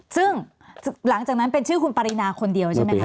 ซึ่งหลังจากนั้นเป็นชื่อคุณปรินาคนเดียวใช่ไหมคะ